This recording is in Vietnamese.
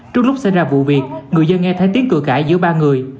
trước lúc xảy ra vụ việc người dân nghe thấy tiếng cửa cãi giữa ba người